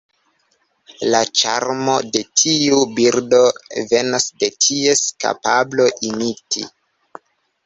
La ĉarmo de tiu birdo venas de ties kapablo imiti.